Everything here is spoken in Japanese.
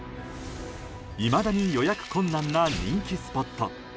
いまだに予約困難な人気スポット。